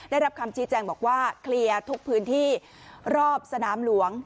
ได้รับคำชี้แจงบอกว่าเคลียร์ทุกพื้นที่รอบสนามหลวง